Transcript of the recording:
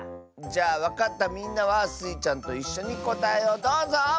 じゃあわかったみんなはスイちゃんといっしょにこたえをどうぞ！